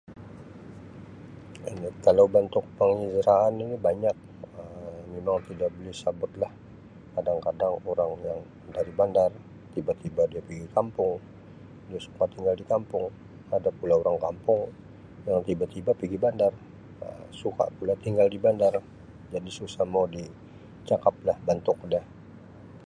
Anu, kalau bentuk pengiraan ini banyak Um memang tidak boleh sebutlah, kadang-kadang orang yang dari bandar tiba-tiba dia pigi kampung, dia suka tinggal di kampung, ada pula orang kampung yang tiba-tiba pigi bandar Um suka pula tinggal di bandar jadi susah mau dicakaplah bentuk dia.